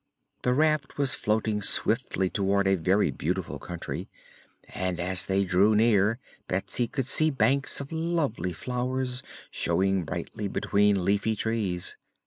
The raft was floating swiftly toward a very beautiful country and as they drew near Betsy could see banks of lovely flowers showing brightly between leafy trees.